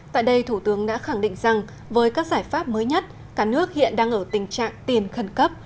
tại đây thủ tướng đã khẳng định rằng với các giải pháp mới nhất cả nước hiện đang ở tình trạng tiền khẩn cấp